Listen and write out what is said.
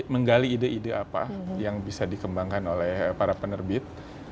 menggali ide ide apa yang bisa dikembangkan oleh para penerbit